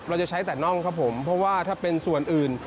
จะใช้แต่น่องครับผมเพราะว่าถ้าเป็นส่วนอื่น